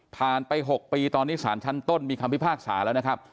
ไป๖ปีตอนนี้สารชั้นต้นมีคำพิพากษาแล้วนะครับ